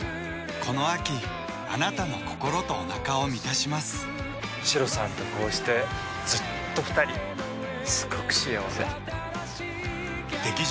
この秋あなたの心とおなかを満たしますシロさんとこうしてずっと２人すごく幸せ。